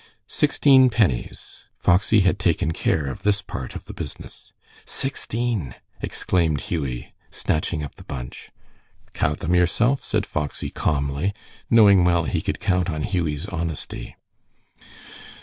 "Sixteen pennies." Foxy had taken care of this part of the business. "Sixteen!" exclaimed Hughie, snatching up the bunch. "Count them yourself," said Foxy, calmly, knowing well he could count on Hughie's honesty.